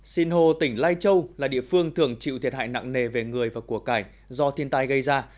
sinh hồ tỉnh lai châu là địa phương thường chịu thiệt hại nặng nề về người và của cải do thiên tai gây ra